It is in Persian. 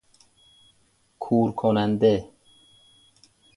کورکننده